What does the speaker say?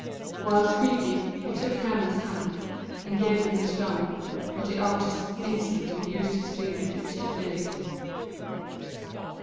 While speaking, he took Hermon's hand and gave him the stone, but the artist instantly used his finger tips to feel it.